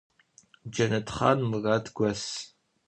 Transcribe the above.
Cenetxhan Murat gos.